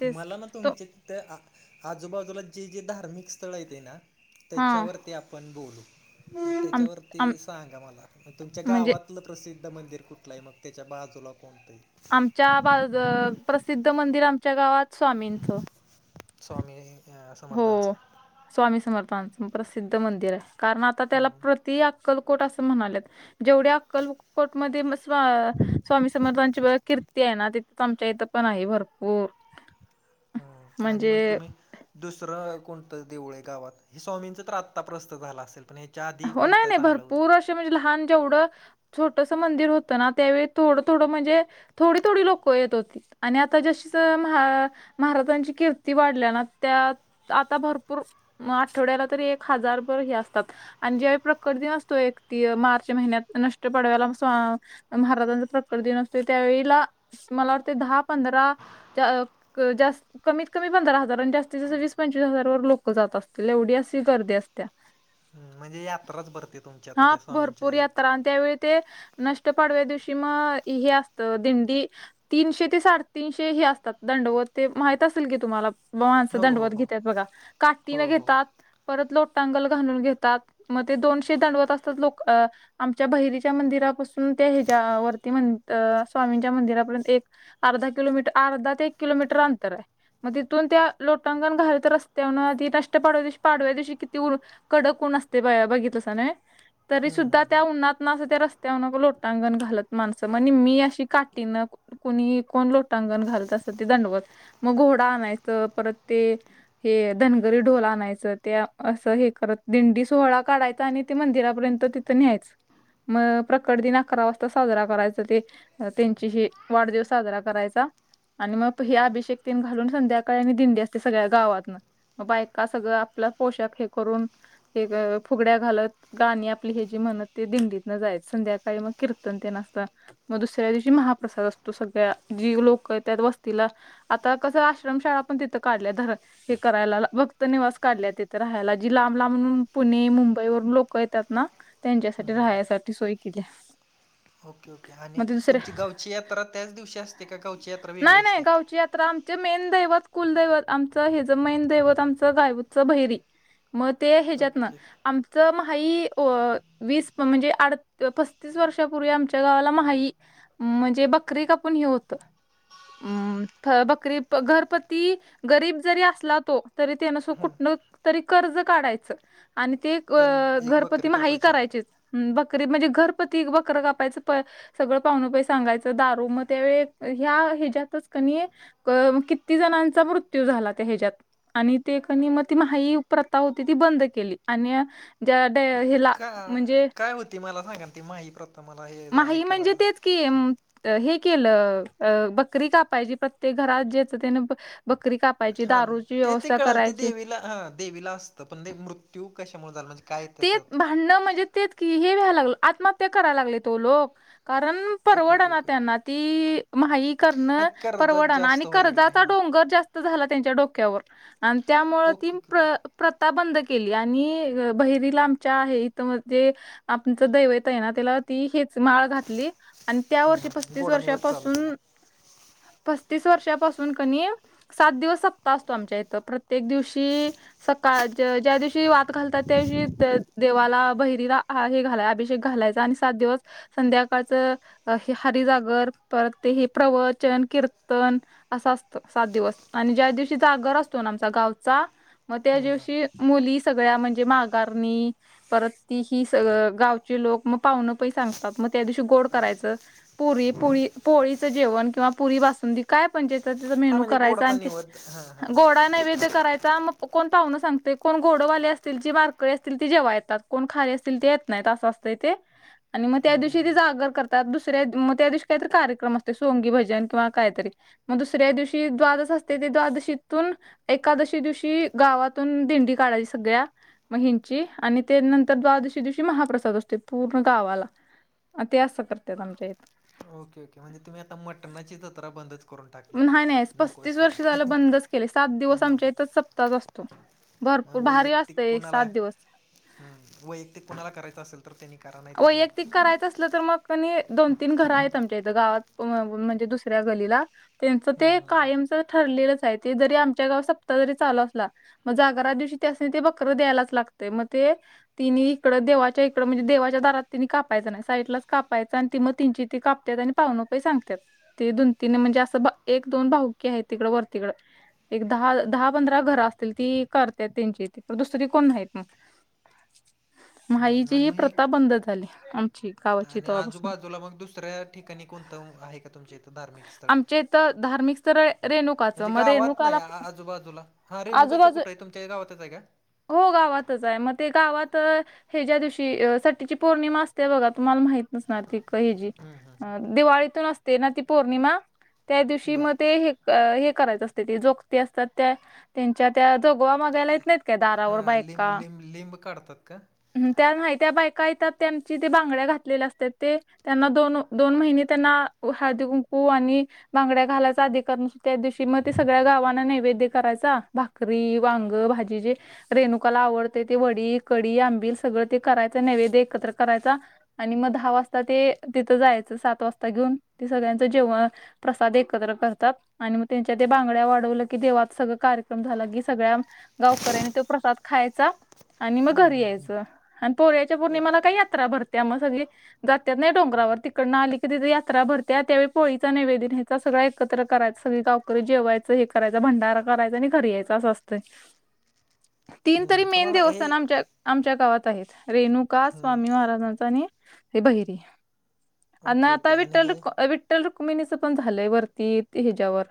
तेच मला की ना तो तुमचे तिथं आ आजूबाजूला जे जे धार्मिक स्थळ आहे ते ना हा त्याच्यावर ते आपण बोलू आम त्याच्यावरती आम सांगा मला म तुमच्या म्हणजे गावातलं प्रसिद्ध मंदिर कुठलं आहे मग त्याच्या बाजूला कोण आमच्या बाज प्रसिद्ध मंदिर आमच्या गावात स्वामींचं स्वामी या हो समर्थानच स्वामी समर्थांचं प्रसिद्ध मंदिर आहे कारण आता त्याला हम्म, प्रती अक्कलकोट असं म्हणालेत जेवढ्या अक्कलकोटमध्ये स् स्वामी समर्थांची कीर्ती आहे ना ते आमच्या इथं पण आहे भरपूर ह आणि मग म्हणजे तुम्ही दुसरं कोणतं देऊळे गावात हे स्वामींच तर आत्ता प्रस्थत झाला असेल पण हे च्या आधी कोणतं चांगलं होतं जे म्हणे लहान जेवढं छोटस मंदिर होतं ना त्यावेळी थोडं, थोडं म्हणजे थोडी, थोडी लोक क येत होती आणि आता जशी महाराजांची कीर्ती वाढल्या ना त्या आता भरपूर आठवड्याला तरी एक हजारभर हे असतात आणि जेहा प्रकट दिन असतो एक ती मार्च महिन्यात नष्ट पडवायाला सा महाराजांचा प्रकर दिन असते त्यावेळेला मला वाटते दहा पंधरा त्या क जास्त कमीत कमी पंधरा हजार आणि जास्त जस वीस पंचवीस हजार वर लोक जात असतील एवढी अशी गर्दी असत्या म्हणजे यात्राच भरते तुमच्या आता हां, त्या स्वामींच्या भरपूर येत यात्रा आणि त्यावेळी ते नष्ट पाडव्या दिवशी मग हे असतं दिंडी तीनशे ते साडेतीनशे हे असतात दंडवत ते माहीत असेल की तुम्हाला ब माणस हो हो दंडवत हो घेतात बघा काटीन हो हो हम्म, घेतात परत लोटटांगल घालून घेतात मग ते दोनशे दांडवत असतात लोक अ आमच्या बहिरीच्या मंदिरापासून त्या हच्या वर्ती म्हणत स्वामींच्या मंदिरापर्यंत एक अर्धा किलोमीटर अर्धा ते एक किलोमीटर अंतर आहे मग तिथून त्या लोटांंगण घालत तर रस्त्यान ती नष्ट पाडवा तवशी पाडव्या दिवशी किती कडक ऊन असते बाया बघितसा नाही तरी हम्म. सुद्धा त्या उन्हात ना असं त्या रस्तवर न लोटांगण घालत माणसं म्हण मी अशी काठीनं कुणी कोण लोटांगण घालत असतं ते दंडवत मग घोडा आणायचं परत ते हे धनगरी ढोल आणायचं ते असं हे करत दिंडी सोहळा काढायात त आणि ते मंदिरापर्यंत तिथं न्यायच मग प्रकट दिन अकरा वाजता साजरा करायचा ते अ त्यांची ही वाढदिवस साजरा करायचा आणि मग हे अभिषेक तन घालून संध्याकाळी आणि दिंडी असते सगळ्या गावात बायका सगळं आपलं पोषक हे करून हे फुगड्या घालत गाणी आपली हे जी म्हणत ते दिंडीत न जायत संध्याकाळी मग कीर्तन तेन असतात मग दुसऱ्या दिवशी महाप्रसाद असतो सगळ्या जी लोकं त्यात वस्तीला आता कसं आश्रमशाळा पण तिथं काढल्या धर हे करायला भक्तनवास काढल्या येते राहायला जी लांब, लांब पुणे, मुंब दबई वून लोक येतात ना त्यांच्यासाठी राहाण्यासाठी सोय केली ओके, ओके आणि तुमची गावची यात्रा त्याच दिवशी असते का गावची यात्रा वेगळी असते ही यात्रा आम जे मेन दैवत कुलदैवत आमचं हिचं मेन दैवत आमचं गायूतचं बैरी मग ते ह्याच्यात ना ओके आमचं महाई वीस म्हणजे आड ततीस वर्षापूर्वी आमच्या गावाला महाई म्हणजे बकरी कापून हे होतं हम् बकरी घरपती गरीब जरी असला तो तरी त्यानसो कुठन तरी कर्ज काढायचं आणि ते पण एक घरपती बकरी माही कापायची करायचेच हम बकरी म्हणजे घरपती बकरं कापायचं प सगळं पाहुनप सांगायचं दारू मग त्यावेळी ह्या हज्यातच कनी किती जणांचा मृत्यू झाला त्या हज्यात आणि ते कणी मग ती माही प्रथा होती ती बंद केली आणि ज्याडे हिला का म्हणजे काय होती मला सांगा ती माही प्रत माही म्हणजे तेच हे केलं बकरी कापायाची प्रत्येक घरात जेच त्याने बकरी कापायची दारूची व्यवस्था करायची ह देवीला असतं पण ते मृत्यू कशामुळे झाला म्हणजे झाला तेच भांडणं म्हणजे ते हे व्यायला लागल आत्महत्या करायला लागले तो लोक कारण ओके परवड ओके ना ओके त्यांना ती माही हा करणं कर्जात परवडाना जास्त आणि व्हायला लागले कर्जाचा हां डोंगर जास्त झाला त्यांच्या डोक्यावर आणि त्यामुळ ओके तीन ओके प्र ओके कथा बंद केली आणि बहिरीला आमच्या आहे इथ म्हणजे आपचं दैवत आहे ना त्याला ती हेच माळ घातली आणि त्या वर्षी हां पस्तीस गोडा निवद चालू केला वर्षापासून, पस्तीस वर्षापासून कनी सात दिवस सप्ता असतो आमच्या इथं प्रत्येक दिवशी सकाळ ज्या दिवशी वात घालतात त्याशी देवाला बहिरीला हे घालाय अभिषेक घालायचा आणि सात दिवस संध्याकाळच हे हारी जागर परत ते हे प्रवचन कीर्तन असं असतं सात दिवस आणि ज्या दिवशी जागर असतो ना आमचा गावचा मग त्या दिवशी मुली सगळ्या म्हणजे माघारणी परत ती ही स गावचे लोक मग पाहुनं पही सांगतात मग त्या दिवशी गोड करायचं पुरी पुळी पोळीचं जेवण किंवा पुरी बासुंदी काय पणजेच त्याचा हा मेनू म्हणजे करायचा गोडाचा आणि ते निवद हां हां गोडा नैवेद्य करायचा मग कोण पाहुन सांगते कोण घोडवाले अस असतील जी बारकळी असतील ती जेव्हा येतात कोण खाली असतील ते येत नाहीत असं असतं ते आणि मग त्या दिवशी ते जागर करतात दुसऱ्या मग त्या दिवशी काहीतरी कार्यक्रम असते सोंगी भजन किंवा काहीतरी मग दुसऱ्या दिवशी द्वादच असते ते द्वादशीतून एकादशी दिवशी गावातून दिंडी काढायची सगळ्या महिंची आणि ते नंतर द्वादशी दिवशी महाप्रसाद असते पूर्ण गावाला अ ते असं करतात आमच्या इथ हां ओके ओके म्हणजे तुम्ही मटणाची जत्रा बंदच करून टाकली नाही, नाही पस्तीस नकोच वर्ष झालं बंदच केले सात दिवस होय आमच्या इथंच सप्ताहच असतो भरपूर मग भारी वैयक्तिक असते एक कोणाला सात दिवस हम्म वैयक्तिक कुणाला करायचं असेल तर त्यांनी करा नाही तरर वैयक्तिक नाही करायचं असलं तर मग दोन, तीन घर आहेत आमच्या इथ गावात म्हणजे दुसऱ्या गलीला त्यांचं हम्म ते हम्म कायमच ठरलेलंच आहे ते जरी आमच्या गाव सपता जरी चालू असला. मग जागरा दिवशी ते अस ते बकर द्यायलाच लागतय मग ते ति इकडे देवाच्या इकडे म्हणजे देवाच च्या दरात तिने कापायं नाही साईड लाच कापायचं आणि त मग तिची त कापत आणि पाऊण रुपये सांगत्यात. ती दोन तीन म्हणजे असं एक दोन भाऊकी आहे तिकडं वर तिकडं एक दहा दहा पंधरा घरं असतील ती करतेत त्यांचीथे तर दुसरी ती कोण नाहीत मग. [unintelligible] हम्म माईची आणि ही मग हे प्रथा बंद झाली, आम आणि आजूबाजूला मग दुसऱ्या ठिकाणी कोणतं आहे का तुमच्या इथं धार्मिक? स्थळ आमच्या इथं धार्मिक स्थर रेनुक म्हणजे गावात नाही आजूबाजूला हा रेणुकाचं आजूबाजू कुठं आहे तुमच्या गावातच आहे का? हो गावातच आहे मग ते गावात हे ज्या दिवशी सट्टीची पौर्णिमा असते बघा तुम्हाला माहि नसणार ती क हजी अ दिवाळीतून असते ना ती पौर्णिमा त्या हम्म दिवशी बर मग ते हे अ हे करायचं असते ते जोगते असतात त्या त्यांच्या त्या जोगवा माग त्याला येत नाहीत का दारावर हां लिंब बाईका लिंब लिंब काढतात का ह त्या नाही त्या बायका येतात त्यांची ते बांगड्या घातलेल्या असतात ते त्यांना दोन दोन महिने त्यांना हळदी कुंकू आणि बांगड्या घालायचा आधी करण त्या दिवशी मग ते सगळ्या गाववाना नैवेद्य करायचा भाक करी वांग भाजी जे रेणुकाला आवडते ते वडी कडी आंबिल सगळं ते करायचं नैवेद्य एकत्र करायचा. आणि मग दहा वाजता ते तिथं जायचं सात वाजता घेऊन ते सगळ्यांचं जेवण प्रसाद एकत्र करतात आणि मग त्यांच्या ते बांगड्या वाढवलं की देवात सगळं कार्यक्रम झाला की सगळ्या गावकऱ्यांनी तो प्रसाद खायचा आणि मग घरी यायचं आणि पोऱ्याच्या अ, पौर्णिमाला काही यात्रा भर त्यामुळे सगळी जातात नाही डोंगरावर तिकडनं आली की तिथ यात्रा भरते त्यावेळी होळीचा निवेदन न्यायचा सगळं एकत्र करायचा सग गावकरी जेवायचं हे करायं भंडारा करायचां आणि घरी यायचं. तास असतंय [unintelligible] तीन तरी हम्म मेन तुम्हाला हे देवस्थान आ आमच्या गावात आहेत रेणू का हम्म स्वामी महाराजांचा आणि हे बहिरी आणि ओके ओके आता विठ्ठल हे रखुमाई, विठ्ठ ठ्ठल रुक्मिणीच पण झालंय वरती ह्याच्यावर.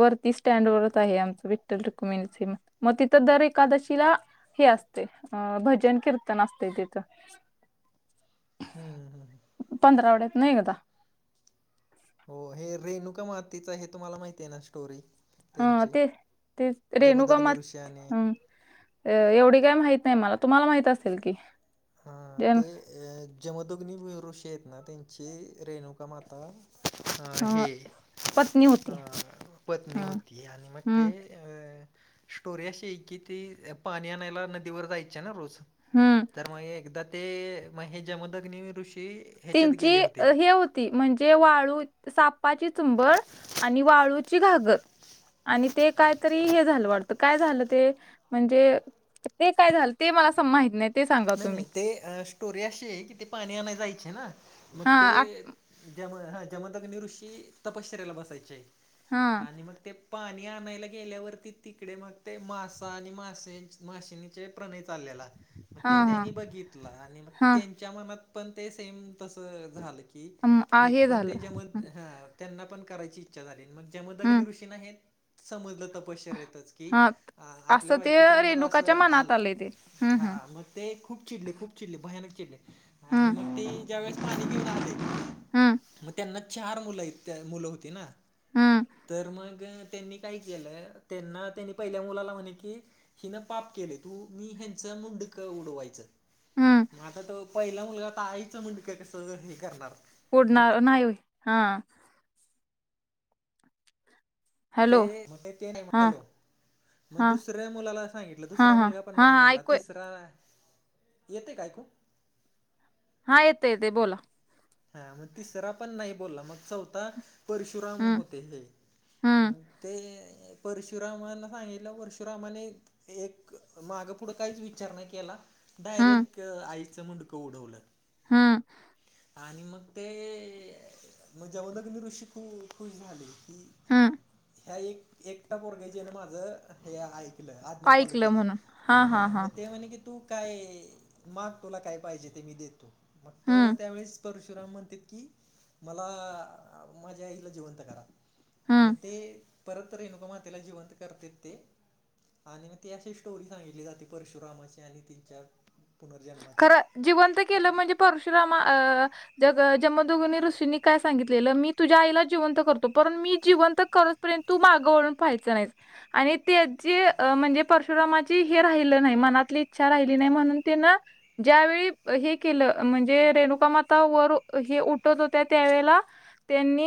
वरती स्टँड वच आहे आमचं विठ्ठल डॉक्युमेंट हे मग तिथं दर एकादशीला हे असते अ भजन कीर्तन असते तिथं हम्म हम्म, हम्म हम्म पंधरा वड्यात नाही एकदा हो हे रेणूका मतीच हे तुम्हाला माहिती आहे ना स्टोरी? हा त्यांची ते ते रेणुका जमदग्नी मात ऋषी आणि हम्म. अ एवढी काय माहित नाही मला तुम्हाला माहित असेल की हा जन ते जमदुग्नी ऋषी येत ना त्यांची रेणुका माता अ हं हे पत्नी होती अ पत्नी हं होती आणि मग ते हं अ स्टोरी अशी आहे की ती पाणी आणायला नदीवर जायची आहे ना रोज हम्म तर मग एकदा ते मग हे जमदग्नी ऋषी ह्याच्यात त्यांची गेले होते हे हो म्हणजे वाळू सापाची चुंबड आणि वाळूची घागर आणि ते कायतरी हे झालं वाटत काय झालं ते म्हणजे ते काय झालं ते मला माहित नाही ते सांगा नाही नाही तुम्ही. ते अ स्टोरी अशी आहे कि ते पाणी आणाय जायचे ना मग हा ते आठ ज्याम हा जमदग्नी ऋषी तपश्चर्यला बसायचे आहे हा आणि मग ते पाणी आणायला गेल्यावरती तिकडे मग ते मासा आणि मासे माशनीचे प्रणय चाललेला मग हा ते हा त्यांनी बघितलं आणि मग हा त्यांच्या मनात पण ते सेम तस झालं की अम, की आ, हे पण झालं त्याच्या म हं ह त्यांना पण करायची इच्छा झाली मग हं, जमदग्नी ऋषींना हे समजलं अ की हा आपल्या असं ते बायकोच्या मनात अस रेणुकाच्या मनात आलंय ते हं हं ह मग ते खूप चिडले, खूप चिडले भयानक चिडले आणि हं मग ते ज्या वेळेस पाणी पिऊन आले हम्म मग त्यांना चार मुलं, मुलं होती ना हम्म तर मग त्यांनी काय केलं त्यांना त्यांनी पहिल्या मुलाला म्हणे की हिन पाप केले तू मी ह्यांच मुंडक मुंडक उडवायचं हम्म मग आता तो पहिला मुलगा आता आईचं मुंडक कसं हे करणार मग पुडणार नाही हा ते हॅलो म्हण ते नाही हा हॅलो मग हा दुसऱ्या मुलाला सांगितलं हा दुसरा हा मुलगा पण हा नाही हा, म्हटला ऐकू तिसरा येते काय ऐकू हा येत येते बोला हा मग तिसरा पण नाही बोलला मग चौथा परशुराम हम्म होते हे हम्म मग ते परशुरामना सांगितलं परशुरामाने एक मागं पुढं काहीच विचार नाही केला हम्म डायरेक्ट आईचं मुंडक उडवल हम् आणि मग ते जमदग्नी ऋषी खूप खुश झाले की हम्म ह्या एक एकटा पोरगा ज्याने माझं हे ऐकलं आज्ञा फॉलो ऐकलं केली म्हणून हा हा मग हा ते म्हणे की तू काय माग तुला काय पाहिजे ते मी देतो मग तो हम्म त्यावेळेस परशुराम म्हणते की मला माझ्या आईला जिवंत करा हम्म मग ते परत रेणुका मातेला जिवंत करतात ते आणि मग ती अशी स्टोरी सांगितली जाते परशुरामाची आणि तिच्या पुनर्जन्माची खरं जिवंत केलं म्हणजे परशुरामा अ जग ज म जमादग्नी ऋषींनी काय सांगितलेलं मी तुझ्या आईला जिवंत करतो पण मी जिवंत करत पर्यंत तू मागे वळून पाहायं नाही आणि त्याची म्हणजे परशुरामाची हे राहिलं नाही मनातली इच्छा राहिली नाही म्हणून ते ना ज्यावेेळी हे केलं म्हणजे रेणुकामाता वर हे उठत होत्या त्यावेेळेला त्यांनी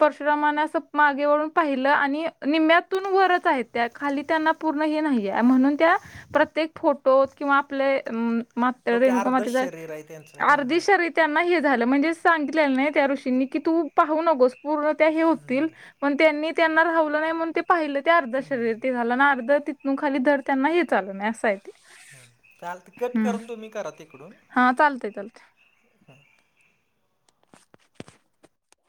परशुरामानास मागे वळून पाहिलं आणि निम्म्यातून वरत आहेत त्या खाली त्यांना पूर्ण हे नाहीे म्हणून त्या प्रत्येक फोटो किंवा आपले मात ओके रेणुका अर्धच मातचा शरीर आहे त्यांचं हां हां अर्धश त्यांना हे झालं म्हणजे सांगितलं नाही त्या ऋषींनी की तू पाहू नकोस पूर्ण त्या हे होतील पण त्यांनी त्यांना रावलं नाही म्हण ते पाहिलं ते अर्ध्या शरीर झालं ना अर्ध मग खाली दर त्यांना हे चाल नाही असंय ते चालत कट हम्म. करून तुम्ही करा तिकडून हा चालतय चालते